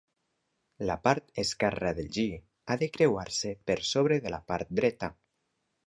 La part esquerra del "gi" ha de creuar-se per sobre de la part dreta.